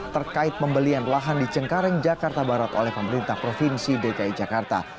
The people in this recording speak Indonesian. terkait pembelian lahan di cengkareng jakarta barat oleh pemerintah provinsi dki jakarta